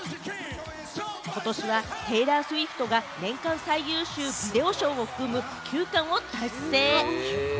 ことしはテイラー・スウィフトが年間最優秀ビデオ賞を含む９冠を達成。